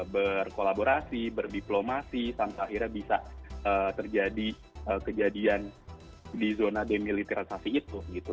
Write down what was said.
berkolaborasi berdiplomasi dan juga berkomunikasi dengan partai ini